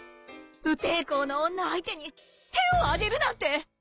無抵抗の女相手に手を上げるなんて。